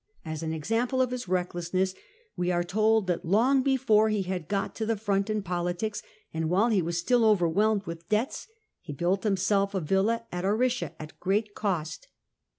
As an example of his recklessness, we are told that long before he had got to the front in politics, and while he was still overwhelmed with debts, he built himself a villa at Aricia at great cost.